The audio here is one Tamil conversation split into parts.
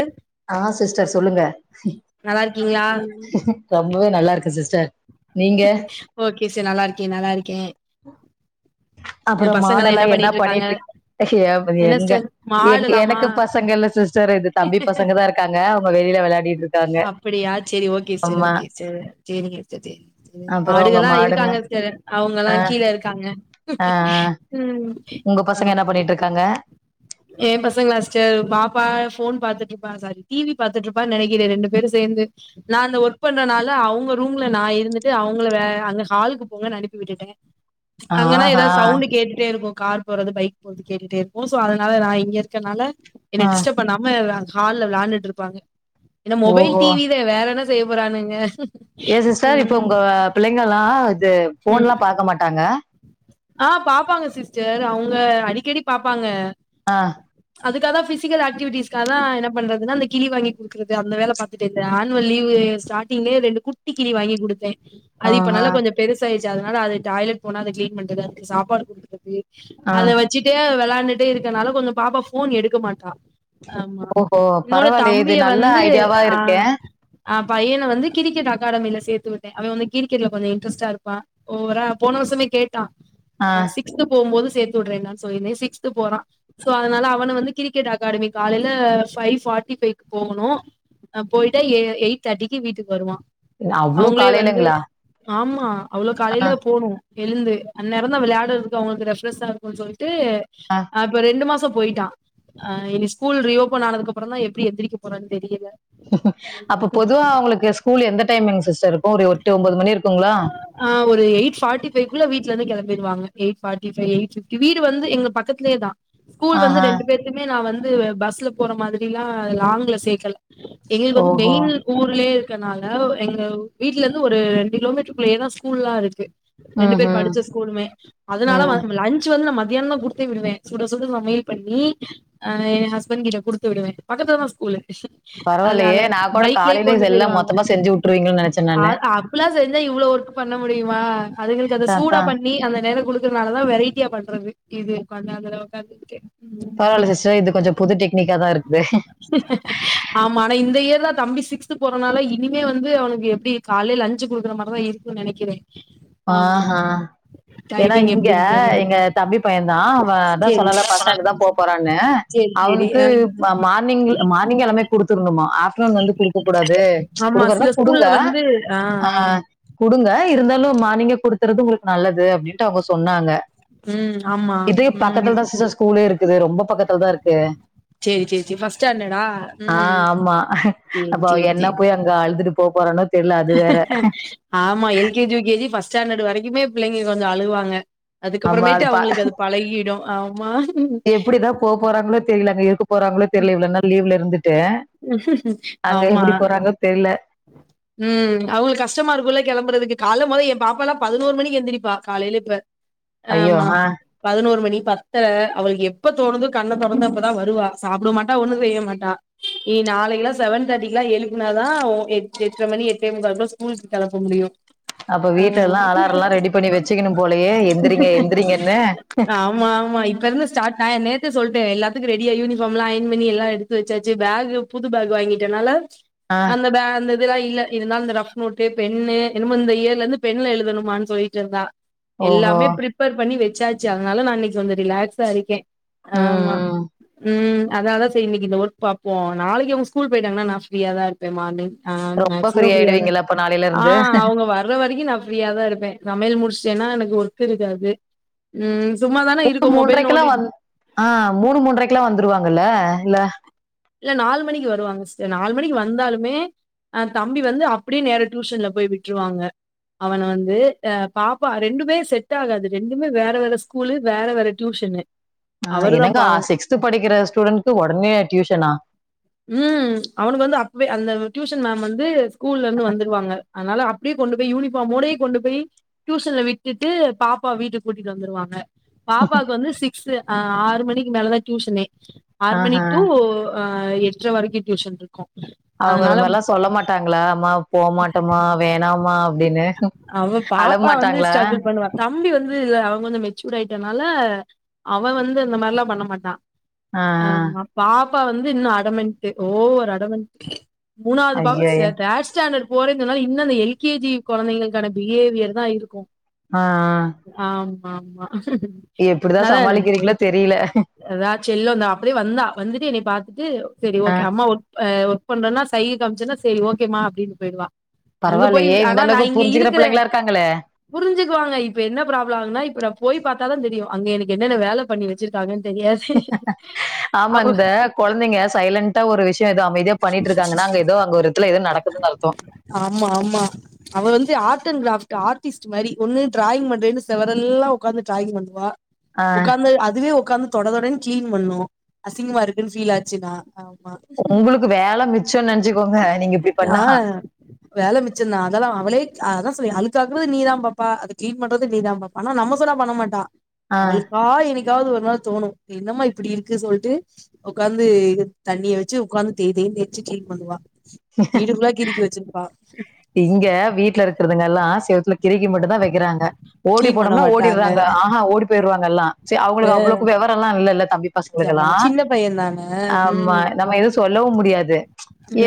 அ ஆ சிஸ்டர் சொல்லுங்க இருக்கீங்களா ரொம்பவே நல்லாருக்கே சிஸ்டர் நீங்க ஓகே செர் நல்லாருக்கே நல்லாருக்கே அப்புறோ மாடெல்லா என்ன பண்ணிட்டுருக்கு [unintelligible] என்ன எங்க சிஸ்டர் எ மாடுலாமா எனக்கு பசங்கல்ல சிஸ் டர் ரெண்டு தம்பி பசங்க தா இருக்காங்க அவுங்க வெளியில வெளையாடிட்டுருக் அப்பிடியா செரி ஓகே சிஸ்டர் ஓகே சிஸ்டர் செரிங்க சிஸ்டர் செரிங்க அப்புறோ உங்க மாடுகல்லா மாடுங்க இருக்காங்க சிஸ்டர் அவுங்கல்லா ஆ கீழருக்காங்க ம் ஒங்க பசங்க என்ன பண்ணிட்டு இருக்காங்க ஏ பசங்களா சிஸ்டர் பாப்பா ஃபோன் பாத்துட்டுருப்பா சாரி டி வி பாத்துட்டுருப்பா நெனைக்கிறே ரெண்டு பேரு சேர்ந்து நா அந்த ஒர்க் பண்றனால அவங்க ரூம்ல நா இருந்துட்டு அவுங்கள வே அங்க ஹாலுக்கு போங்கன் அனுப்பி விட்டுட்டே அங்கன்னா ஆஹா ஏதாவது சவுண்ட் கேட்டுட்டே இருக்கு கார் போறது பைக் போறது கேட்டுட்டே இருக்கு சோ அது னால நா இங்க இருக்கனால என்ன ஆ டிஸ்டரப் பண்ணாம ஹால்ல வெளாண்டுட்டு இருப்பாங்க என்ன மொபைல் ஓஹோ டி வி தா வேற என்ன செய்ய போறானுங்க ஏ சிஸ்டர் இப்ப ம் உங்க புள்ளைங்கல்லா இது ம் ஃபோன்ல்லா பாக்க மாட்டாங்க ஆ பாப்பாங்க சிஸ்டர் அவுங்க அடிக்கடி பாப்பாங்க ஆ அதுக்காதா பிஸிகல் அக்டிவிட்டஸ்காக தா பண்றதுன்ன அந்த கிளி வாங்கி இருக்குது அந்த வேல பாத்துட்டே இருந்தே ஆனுவல் லீவு ஸ்டார்டிங்லே ரெண்டு குட்டி கிளி வாங்கி குடுத்தே ஆ அது இப்ப ஆ நல்லா கொஞ்சோ பெருசாயிடுச்சு அதனால அது டாய்லெட் போன அது கிளீன் பண்றதுக்கு அதுக்கு சாப்பாடு குடுக்கறது ஆ அத வச்சிட்டு வெளயாண்டுட்டே இருக்கனால கொஞ்சோ பாப்பா ஃபோன் எடுக்க மாட்டா ஆமா ஓஹோ என்னோட பரவாயில்லையே இது தம்பிய நல்ல வந்து ஐடியாவா ஆ இருக்கே அ பையனை வந்து கிரிக்கெட் அக்காடமிலே சேத்து விட்டே அவ வந்து கிரிக்கெட்ல கொஞ்சோ இன்ட்ரஸ்டாருப்பா ஓவரா போன வறர்சமே கேட்டா ஆ அ சிக் சிகஸ்த் போம் போது சேத்து உட்றேன்டானு சொல்லிருந்தே சிக்ஸ்த் போறா சோ அதனால அவன வந்து கிரிக்கெட் அகாடமி காலையில ஃபைவ் ஃபார்ட்டி ஃபைக்கு போகணு அ போயிட்டா ஏ எயிட் தேர்ட்டிக்கு வீட்டுக் வருவா அவ்ளோ அவுங்ளே வந்து காலையிலங்களா ஆமா அவ்ளோ காலைல ஆ போணு எழுந்து அந்நேரந்தா வெளையாட்றதுக்கு அவுங்ளுக்கு ரெஃப்ரெஷ்ஷா இருக் ஒ சொல்ட்டு் ஆ அ இப்ப ரெண்டு மாசோ போயிட்ட அ இனி ஸ்கூல் ரீ ஓபன் ஆனதுக்கு அப்புறந்தா எப்புடி எந்துரிக்க போறன் தெரியல அப்ப பொதுவா அவுங்ளுக்கு ஸ்கூல் எந்த டைமிங் சிஸ்டர்ருக்கு ஒரு ஒட்டு ஒம்பது மணி இருக்குங்ளா அ ஒரு எய்ட் ஃபார்டிஃ பைவ் குள்ள வீட்லேந்து கிளம்பிருவாங்க எயிட்ஃப்டிஃபை் எய்ட் ஃபிப்டி வீடு வந்து எங்க பக்கத்லேதா ஸ்கூல் வந்து ஆஹா ரெண்டு பேர்த்துமே நா வந்து பஸ்ல போற மாதுரிலா லாங்ல சேக்கல எங்ளுக் வந்து ஓஹோ மெயின் ஊர்லே இருக்கனால எங்க வீட்லேர்ந்து ஒரு ரெண்டு கிலோமீட் டுகுள்யேதா ஸ்கூல்லா இருக்கு ரெண்டு ம் பேர் ம் படிச்ச ஸ்கூலுமே அதுனால ம் வந் லன் ச் வந்து நா மத்தியானந்தா குடுத்தே விடுவ சுட சுட சமயல் பண்ணி அ ஏ ஹஸ்பண்ட கிட்ட குடுத்து விடுவ பக்கத்துலதா ஸ்கூலு அதுனால பரவாயில்லையே நான் கூட பைக்லே காலையில கொண்டு எல்லாம் பெய்ருவாங்க மொத்தமா செஞ்சு விட்டுருவீங்கன்னு நினைச்சேன் அ நானு அப்பிலா செஞ் இவ்ளோ ஒர்க் பண்ண முடியுமா அதுங்களுக்கு அத சூடா அதான் பண் நீ அந்த நேர குலுக்குறனாலதா வெரைட்டியா பண்றது இது உக்காந்து அந்த அதுல ஒக்காந்து கே பரவால்ல சிஸ்டர் இது கொஞ்ச புது டெக்னிக்காதா இருக்குது ஆமா ஆனா இந்த இயர் தா தம்பி சிக்ஸ்து போறனால இனிமே வந்து அவுனுக்கு எப்டி கால்லே லன்ச்சு குடுக்குற மா அதா இருக்கு நெனக்கிறே ஆ ஹ ஏனா இங்க எப்டின்னு தெர்ல எங்க தம்பி பைய தா அவ அதா சேரி சொன்னல பஸ் ஸ்டாண்ட் தா போ போறான்னு சேரி சேரி அவுனுக்கு ஆ மார்னிங் மார்னிங் எல்லாமே குடுத்துர்னுமா ஆஃப் ட்நூன் வந்து குடுக்க கூடாது ஆமா கூடுக்கற்னா சில ஸ்கூல்ல கூடுங்க வந்து ஆ அ ஆ குடுங்க இருந்தாலு மார்னிங்கே குடுத்தற்து உங்குளுக்கு நல்லது அப்டின்ட்டு அவுங்க சொன்னாங்க ம் ஆமா இதுயு ம் பக்கத்துல தா சச்ச ஸ்கூலே இருக்குது ரொம்ப பக்கத்துல தா இருக்கு சேரி சேரி சேரி ஃபஸ் ஸ்டாண்டடா ஆ ம் ஆமா. சேரி அப்ப அவ சேரி என்ன சேரி போய் அங்க அழுதுட்டு போப்போறானோ ஆமா எல்கேஜி யுகேஜி ஃபஸ் ஸ்டாண்டர் வரக்குமே பிள்ளைங்க கொஞ்ச அழவாங்க ஆமா அதுக்கப்புறமேட்டு பா அவுங்களுக்கு அது பழகிடு ஆமா டாங்ளே தெரியில அங்க இருக்கு போறாங்ளோ தெர்ல இவ்ளோ நாள் லீவ்ல இருந்துட்டு அங்க ஆமா. எப்டி போறாங்ளோ தெரில ம் அவுங்குளுக்கு கஸ்ட்டமா இருக்குல்ல களம்றதுக்கு கால்ல மொத ஏ பாப்பாலா பதுனோரு மணிக்கு எந்துரிப்பா காலைல இப்ப ஐயோ ஹ பதுனோரு மணி பத்தர அவளுக்கு எப்ப தோனுதோ கண்ண தொறந்து அப்பதா வருவா சாப்புட மாட்டா ஒன்னு செய்ய மாட்டா நீ நாளைக்குலா செவன் தேர்ட்டிக்லா எழுப்புனாதா ஒ எட் எட்ற மணி எட்டே முக்காலுலுக்லா ஸ்கூல்லுக் களப்ப முடியு அப்ப வீட்லல்லா அலாரலா ரெடி பண்ணி வச்சிக்கிணு போலயே எந்துரிங்க எந்துரிங்கன்னு ஆமா ஆமா இப்ப இருந்து ஸ்டாட் நா ஏ நேத்தே சொல்ட்டே எல்லாத்துக்கு ரெடியா யுனிஃபாம்லா அயன் பண்ணி எல்லா எடுத் து வெச்சாச்சு பேகு புது பேகு வாங்கிட்டனால ஆ அந்த பே அந்த இதுல்லா இல்ல இருந்தாலு இந்த ரஃப் நோட்டு பென்னு என்னனுமோ இந்த இயர்லேந்து பென்ல எழுதணமான் சொல்லிகிட்ருந்தா ஓஹோ! எல்லாமே ப்ரிப்பேர் பண்ணி வெச்சாச்சு அதனால நா இன்னக்கி கொஞ்சோ ரிலாக்ஸா இருக்கே ம், ஆமா ம். ம் அத்னால்தா இன்னிக்கி இந்த ஒர்க் பாப்போ நாளக்கு இவுங்க ஸ்கூல் பெய்ட்டாாங்னா நா ஃப்ரீயாதா இருப்பே மார்னி்ங் ஆ ரொம்ப ஃப்ரீ மேக்சிமம் ஃப்ரீயா தா ஆயிடுவீங்கல்ல அப்ப நாளையில ஆ இருந்து. அவுங்க வர்ற வரைக்கு நா ஃபிரியா தா இருப்பே சமையல் முடிச்சேன்னா எனக்கு ஒர்க்கு இருக்காது ம் சும்ம தானே இருக்கோ மொபைல் நோன்டிட் வந் ஆ மூணு மூன்ரைக்குல்லா வந்துருவாங்கல்ல இல்ல இல்ல நாலு மணிக்கு வருவாங்க சிஸ்டர் நாலு மணிக்கு வந்தாலுமே அ தம்பி வந்து அப்டியே நேரா டியூஷன்ல போய் விட்ருவாங்க அவன வந்து அ பாப்பா ரெண்டுமே செட் ஆகாது ரெண்டுமே வேற வேற ஸ்கூலு வேற வேற டியூஷனு ஆ அவரு தான் என்னங்கா பாவம். சிகஸ்த்து படிக்கிற ஸ்டூடண்ட்க்கு உடனே டியூஷனா ம் அவனுக்கு வந்து அப்வே அந்த டியூஷன் மேம் வந்து ஸ்கூல்லந்து வந்துருவாங்க அதனால அப்டே கொண்டு போய் யூனிஃபார்மோடே கொண்டு போய் டியூசன்ல விட்டுட்டு பாப்பா வீட்டுக் கூட்டிட்டு வந்துருவாங்க பாப்பாக்கு வந்து சிக்ஸ்சு ஆறு மணிக்கு மேலதான் டியூசனே ஆறு மணி ஆஹ. டூ ஆ எட்ர வரைக்கு டியூஷன் இருக்கு அவுங்க இது மார்லா சொல்ல மாட்டாங்ளா அம்மா போ மாட்டமா வேணாமா அப்டின்னு அவ பாப்பா வந்து ஸ்ட்ரகுள் பண்ணுவா தம்பி வந்து இது அவன் கொஞ்ச மெச்சூர் ஆயிட்டனால அவன் வந்து இந்த மார்லா பண்ண மாட்டா ஆ, ஆ. ஆமா பாப்பா வந்து இன்னு அடமன்ட்டு ஓவரு அடமன்ட்டு மூணாவது ப ஐயய்யோ! தேர்ட் ஸ்டாண்டர்ட் போறன் சொன்னாலே இன்னு அந்த எல் கே ஜி கொழந்தைங்களுக்கான பிஹேவியர் தா இருக்கு ஆ ஆம்மாமா எப்டிதா சமாளிக்கிறீங்ளோ தெரில அதா செல்ல வந்தா அப்டியே வந்தா வந்துட்டு என்னைய பாத்துட்டு செரி ஆ, ஓகே அம்மா ஆ ஒர்க் பண்றன்னா சைக காமிச்சோனா செரி ஓகேம்மா அப்டின் போயிடுவா அங்க போய் பரவால்லியே இந்தளவு இங்க இருக்கற புரிஞ்சிக்குவாங்க இப்ப என் ப்ராப்ளம் ஆகுனா இப்ப நா போய் பாத்தாதா தெரியு அங்க எனக்கு என்னென்ன வேல பண்ணி வச்சிருக்காங்கன் தெரியாது அவோ கொழந்தைங்க சைலண்டா ஒரு விஷ்யோ ஏதோ அமைதியா பண்ணிட்டு இருக்காங்கன்னா அங்க ஏதோ அங்க ஒரு இத்துல ஏதோ நடக்குதுன் அர்த்தோ ஆமா ஆமா அவ வந்து ஆர்ட் அண்ட் கிராஃப்ட் ஆர்டிஸ்ட் மாரி ஒன்னு டிராயிங் பன்றேன்னு செவரல்லா உக்காந்து டிராயிங் பண்ணுவா ஆ, உட்காந்து அதுவே உட்காந்து தொட தொடன் கிளீன் பண்ணு அசிங்கமா இருக்குன்னு ஃபீல் ஆச்சுன்னா ஆமா உங்குளுக்கு வேல மிச்சன் நெனச்சுக்கோங்க நீங்க இப்டி பண்ணா ஆ வேல மிச்சந்தா அதெல்லா அவளே அதா சொல்லே அழுக் ஆக்குறது நீ தா பாப்பா அத கிளீன் பண்றது நீதா பாப்பா ஆனா நம்ம சொன்னா பண்ண மாட்டா ஆ. அவுள்க்கா என்னிக் காது ஒரு நாள் தோணு என்னமா இப்டி இருக்கு சொல்ட்டு உக்காந்து தண்ணிய வச்சு உக்காந்து தேய் தேய் தேச்சு கீளின் பண்ணுவா வீடு ஃபுல்லா கிறுக்கி வச்சிருப்பா இங்க வீட்ல இருக்கிறதுங்க எல்லா செவுத்துல கிருகி மட்டு தா வக்கிறாங்க ஓடி கிளீன் பண்ண போனோம்னா மாட்டாங்க ஓடிர்றாங்க ஆஹா ஓடி போய்டுவாங்க எல்லா செர் அவுங்களுக்கு அவ்ளோக்கு விவரல்லா இல்லல்ல தம்பி பசங்களுக் ஆமா எல்லா சின்ன பையந்தான ஆமா ம் நம்ம எது சொல்லவு முடியாது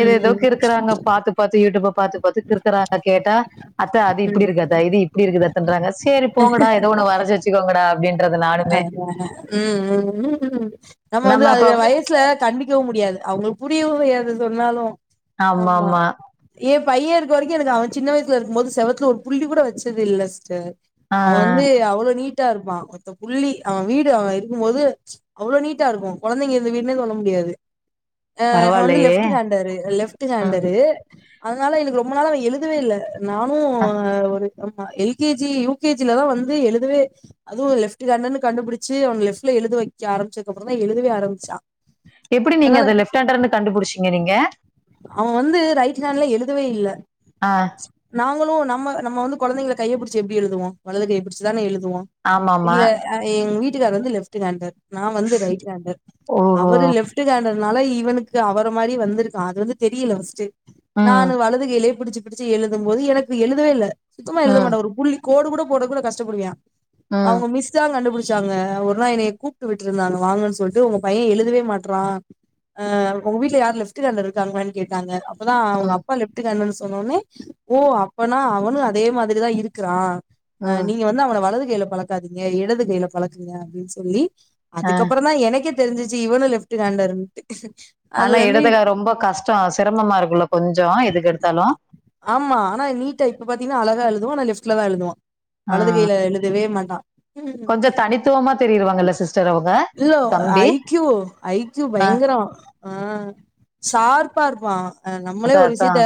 ஏதேதோ ம் கிறுக்குறாங்க பார்த்து பார்த்து யூடியூப்ப பார்த்து பாத்து பாத்து கிறுக்குறாங்க கேட்டா அத்த அது இப்டி இருக்கு இது இப்டி இருக்குது அத்த சேரி நானுமே. அதா ம் ம் ம் ம் நம்ம வந்து அதுக வயசுல கண்டி க்கவும் முடியாது அவங்களுக்கு புரியவு செய்யாது சொன்னாலு ஆம்மா ஆமாமா. ஏ பைய இருக்க வரைக்கும் எனக்கு அவன் வயசுல இருக்கும் போது செவத்துல ஒரு புள்ளி கூட வச்சது இல்ல சிஸ்டர் ஆ அவெ வந்து அவ்வளோ நீட்டா இருப்பா ஒத்த புள்ளி அவெ வீடு அவெ இருக்கும்போது அவ்வளோ நீட்டா இருக்கும் கொழந்தைங்க இருக்குற வீடுன்னே சொல்ல முடியாது ஆ அவெ வந்து பரவாயில்லயே! லெப்ட் ஹாண்டரு லெஃப்ட் ம். ஹாண்டரு அதனால எனக்கு ரொம்ப நாளா அவெ எழுதவே இல்ல நானு ஒரு ஆமா L K G U K G Latha வந்து எழுதவே அதுவு லெஃப்ட் ஹான்ட்னு கண்டுபுடிச்சு அவன லெப்ட்ல எழுத வைக்க ஆரம்பிச்சதுக்கப்புற தா எழுதவே ஆரம்பிச்சா எப்படி நீங்க அதனால அத லெப்ட் ஹாண்டர்னு கண்டுபிடிச்சீங்க நீங்க நல்லா எழுதவே இல்ல ஆ. நாங்களு நம்ம நம்ம வந்து கொழந்தைகள கையப்பிடிச்சு எப்டி எழுதுவோ வலது கையைப்புடிச்சுதானே எழுதுவோ ஆமாமா. இல்ல எங்க வீட்டுக்காரர் வந்து லெஃப்ட் ஹாண்டர் நா வந்து ரைட் ஹேண்டர் ஓஹோ! அவரு லெப்ட் ஹேண்ட னால இவனுக்கு அவர மாரி வந்திருக்கா அது வந்து தெரியல பஸ்ட்டு நா ம். அது வலது கைலயே புடிச்சு புடிச்சு எழுதும் போது எனக்கு எழுதவே இல்லை சுத்தமா எழுத ம். மாட்டா வரும் புள்ளி கோடு கூட போட கூட கஷ்டப்படுவா ஆ அவுங்க மிஸ் தா கண்டுபிடிச்சாங்க ஒரு நா என்னய கூப்ட்டு விட்டுருந்தாங்க வாங்கன்னு சொல்லிட்டு ஒங்க பைய எழுதவே மாட்றா ஆ ஒங்க வீட்ல யாரு லெஃப்ட் ஹாண்டர் இருக்காங்களான் கேட்டாங்க அப்ப தா ஆ அவங்க அப்பா லெஃப்ட் ஹாண்டர் சொன்னோனே ஓ அப்பனா அவனு அதே மாதிரிதா இருக்கிறா அ ஆ நீங்க வந்து அவன வலது கையில பழக்காதீங்க எடது கையில பழக்குங்க அப்டின்னு சொல்லி ஆ அதுக்கப்புறம் தா எனக்கே தெரிஞ்சிச்சு இவனும் லெப்ட் ஹாண்டர்ன் ஆனா எடதுக ரொம்ப கஷ்டொ சிரமமா இருக்குல்ல கொஞ்சொ எதுக்கு எடுத்தாலும் ஆமா ஆனா நீட்டா இப்ப பாத்தீங்கன்னா அழகா எழுதுவா ஆனா லெப்ட்லதா எழுதுவா வலதுகையில எழுதவே மாட்டான் கொஞ்சொ தனித்துவமா தெரியிடுவாங்கல்ல சிஸ்டர் அவங்க இது தம்பி ஐ க்யூ ஐக்யூ ஆ பயங்கரொ ஆ சார்ப்பா இருப்பா அ நம்மளே அதா ஒரு அதா விஷயத்த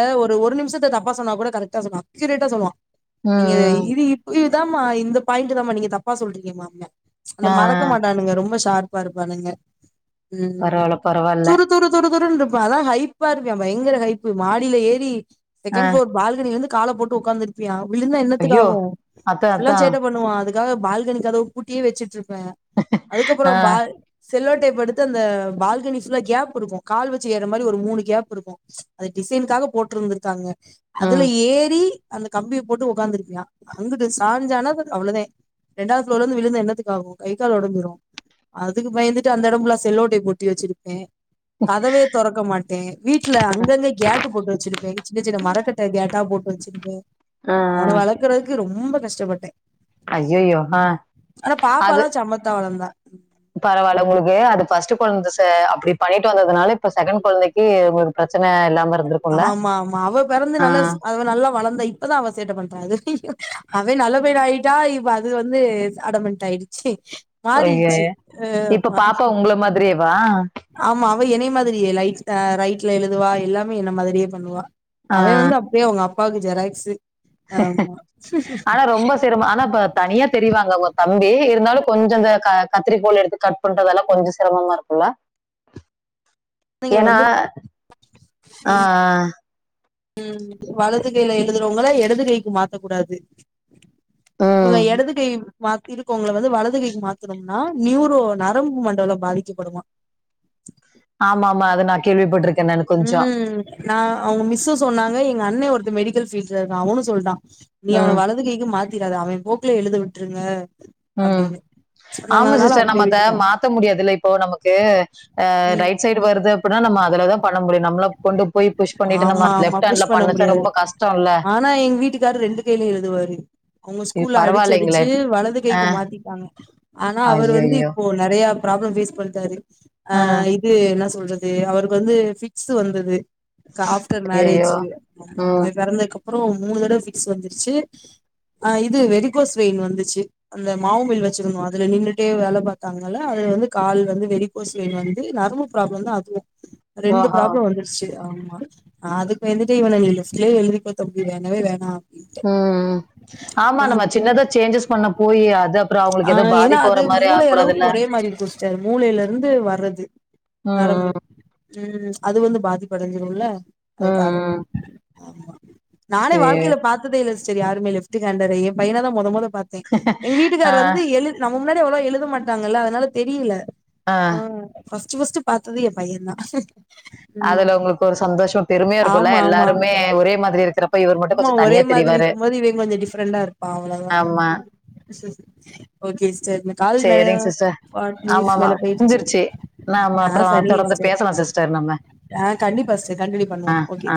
ஒரு நிமிஷத்த தப்பா சொன்னா கூட கரெக்டா சொல்வா அக்யூரேட்டா சொல்லுவா ம் நீங்க இது ம் இது இப்ப இதுதாம்மா இந்த பாயிண்ட் தாம்மா நீங்க தப்பா சொல்றீங்கம்பாங்க அத ஆ ஆ மறக்க மாட்டானுங்க ரொம்ப ஷார்ப்பா இருப்பானுங்க பரவால்ல பரவால்ல துரு துரு துருன்ருப்பா அதா ஹைப்பா இருப்பியா பயங்கர ஹைப்பு மாடியில ஏறி ஆ செகண்ட் ப்ளோர் பால்கனில வந்து கால போட்டு உட்காந்துருப்பியா விழுந்தா ஐயோ என்னத்துக்காகும் அதா அப்பில்லா அதா சேட்ட பண்ணுவா அதுக்கு க்க பால்கனி கதவ பூட்டியே வச்சுட்டு இருப்பே அதுக்கப்புற ஆ பால் செல்லோட்டேப் எடுத்து அந்த பால்கனி புல்லா கேப் இருக்கும் கால் வச்சு ஏற மாரி ஒரு மூனு கேப் இருக்கும் அது டிசைனுக்காக போட்டிருந்திருக்காங்க அதுல ம் ஏறி அந்த கம்பிய போட்டு உட்காந்துருப்பியா அங்குட்டு சாஞ்சானா அவ்வளவுதா ரெண்டாவது ப்ளோர்லந்து விழுந்தா என்னாத்துக்காகும் கை கால் ஒடஞ்சிரு அதுக்கு பயந்துட்டு அந்த எடம்புல்லா செல்லோட்டேப் ஒட்டி வச்சிருப்பே கதவே தொறக்க மாட்டே வீட்ல அங்கங்க கேட்டு போட்டு வச்சிருப்பே சின்ன சின்ன மரக்கட்ட கேட்டா போட்டு வச்சிருப்பே ஆ அவன வளக்குறதுக்கு ரொம்ப கஷ்டப்பட்டே ஆ ஐயையோ ஆ ஆனா பாப்பால்லா சமத்தா வளந்தா பரவாயில உங்களுக்கு அது பஸ்ட் கொழந்த ச அப்டி பண்ணிட்டு வந்ததுனால இப்ப செகண்ட் கொழந்தைக்கு ஒரு பிரச்சன இல்லாம இருந்துருக் ஆமா ஆமா அவ பெறந்து நல்லா நல்லா வளர்ந்தா இப்பதா அவ சேட்டை பண்றா அவன் நல்ல பைய ஆயிட்டா இப்ப அது வந்து அடமெண்ட் ஆயிடுச்சு ஒகே மாறிடுச்சு இப்ப ஆமா பாப்பா ஒங்கள மாதிரியேவா ஆமா அவ என்னய மாதிரியே லைட்டா ரைட்ல எழுதுவா எல்லாமே என்ன மாதிரியே பண்ணுவா ஆ அவே ஆ வந்து அப்டியே அவுங்க அப்பாவுக்கு ஜெராக்ஸு ஆமா ஆனா ரொம்ப சிரமம் ஆனா பா தனியா தெரிவாங்க அவுங்க தம்பி இருந்தாலு கொஞ்சோ அந்த க கத்ரி கோள் எடுத்து கட் பண்றதல்லா கொஞ்சோ சிரமமா இருக்கு சொ குழந்தைங்கள ஏன்னா வந்து ஆ ஆ ம் ம் வலது கையில எழுதுறவங்கள எடது கைக்கு மாத்த கூடாது உம் இவுங்க எடது கை மாத்த இருக்கவங்கள வந்து வலதுகைக்கு மாத்துனோம்னா நியூரோ நரம்பு மண்டல பாதிக்கப்படுமா ஆமா ஆமா அது நா கேள்விப்பட்ருக்கே நானு கொஞ்சோ ம் நா அவுங்க மிஸ்ஸு சொன்னாங்க எங்க அண்ண ஒருத்த மெடிக்கல் ஃபீட்ல இருக்கா அவனு சொல்டா நீ அவன உம் வலது கைக்கு மாத்திராத அவ போக்லே எழுத விட்ருங்க ம் அப்டின்னு நாங்க ஆமா அதனால சிஸ்டர் நம்ம அப்டியே அத விட்டுட்டோ மாத்த முடியாதுல்ல இப்போ நமக்கு ஆ ம் ரைட் சைடு வருது அப்டின்னா நம்ம அதுலதா பண்ண முடியு நம்மளா கொண்டு போய் புஷ் பன்னிட்டு நம்ம ஆமா ஆமா லெப்ட்டு ஹேண்ட்ல புஷ் பண்ண வச்சா முடியாது ரொம்ப கஷ்டோல்ல ஆனா எங்க வீட்டுக்காரரு ரெண்டு கையில எழுதுவாரு ஒங்க இது ஸ்கூல்ல அடிச்சு பரவாயில்லைங்களே அடிச்சு வலது கை ஆஹ் மாத்திடாங்க ஆனா அவரு ஐயோ வந்து ஐயோ இப்போ நெறயா ப்ராப்ளம் பேஸ் பண்ணிட்டாரு ஆ ஆஹ் இது என்னா சொல்றது அவருக்கு வந்து பிக்ஸு வந்தது ஆப்டர் ஐயோ மேரேஜு உம் அவ பெறந்ததுக்கு அப்பறோ மூனு தடவ பிக்ஸு வந்துருச்சு ஆ இது வெரிக்கோஸ் வெயின் வந்துச்சு அந்த மாவு மில் வச்சிருந்தோ அதுல நின்னுட்டே வேல பாத்தாங்கல்ல அதுல வந்து கால் வந்து வெரிக்கோஸ் வந்து நரம்பு ப்ராப்ளம் தா அதுவு ரெண்டு ஓஹோ ப்ராப்ளம் வந்துருச்சு ஆமா அதுக்கு பயந்துட்டு இவன நீ லெப்ட்டுலே எழுதிக்கோ தம்பி வேணவே வேணா அப்டின்ட்டு உம் உம் ஆமா நம் நம்ம சின்னதா சேஞ்சஸ் பண்ண போய் அது அப்பறோ அவுங்களுக்கு ஏதோ பாதிப்பு வற மாரி ஆக கூடாதுல்ல அதே மாதிரி குடுச்ட்டாரு மூலேல இருந்து வர்றது நரம்பு ம், ம் அது வந்து பாதிப்படைஞ்சுடுல்ல ம், அதுக்காக ம். நானே சரி வாழ்க்கையில பாத்த பாத்ததே இல்ல சிஸ்டர் யாருமே லெப்டு ஹெண்டற எ பையன தா மொத மொத பாத்தே எங்க ஆ, வீட்டுக்கார் வந்து எழுதி நம்ம முன்னாடி அவ்வளவா எழுத மாட்டாங்கல்ல அதனால தெரியல ஆ ஃபஸ்ட்டு ஃபஸ்ட்டு பாத்தது எ பையந்தா அதுல ஒங்களுக்கு ஒரு சந்தோஷோ பெருமையா இருக்குல்ல ஆமா ஆமா எல்லாருமே ஒரே மாதிரி இருக்ற ஆமா ஒரே மாதிரி இருக்கும்போது இவ கொஞ்சோ டிஃப்ரெண்டா இருப்பா அவ்வளதா ஆமா ஓகே சிஸ்டர் இந்த கால் நெறயா ஃபாட்டி மினிட்ஸ் மேல போயிருச்சு முடிஞ்சிருச்சு நாம ஆ அப்பறோ சரிங்க தொடர்ந்து சிஸ்டர் பேசலா சிஸ்டர் நம்ம ஆ கண்டிப்பா சிஸ்டர் கண்டினியூ பண்ணுவோ ஓகே ஆ